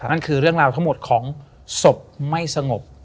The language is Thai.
นั่นคือเรื่องราวทั้งหมดของศพไม่สงบ